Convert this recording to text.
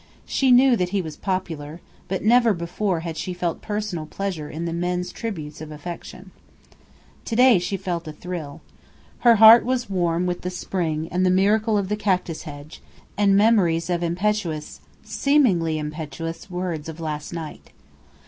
She knew that he was popular, but never before had she felt personal pleasure in the men's tributes of affection. To day she felt a thrill. Her heart was warm with the spring and the miracle of the cactus hedge, and memories of impetuous seemingly impetuous words of last night.